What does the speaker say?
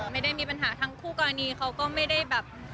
ไม่ได้มีปัญหาทั้งคู่กรณีเขาก็ไม่ได้แบบ